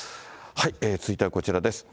続いてはこちらです。